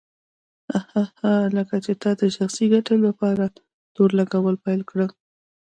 هه هه هه لکه چې تا د شخصي ګټې دپاره تور لګول پيل کړه.